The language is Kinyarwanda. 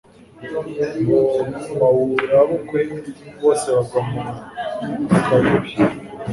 ngo bawurabukwe, bose bagwa mu kayubi